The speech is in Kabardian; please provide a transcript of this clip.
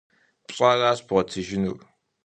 Пщӏаращ бгъуэтыжынур.